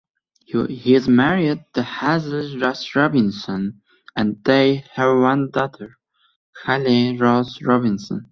He is married to Hazel Ross-Robinson and they have one daughter, Khalea Ross Robinson.